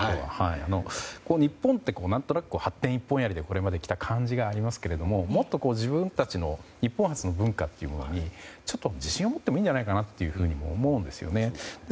日本って何となく発展一本やりでこれまで来た感じがありますがもっと自分たちの日本発の文化にちょっと自信を持ってもいいんじゃないかなと思うんですよね。